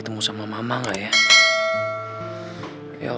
completely pgpt saja aku nggak ada